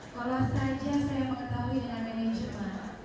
tolong saja saya mengetahui dengan manajemen